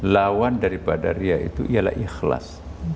lawan daripada ria itu ialah ikhlas